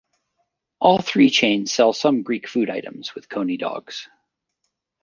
All three chains sell some Greek food items with Coney dogs.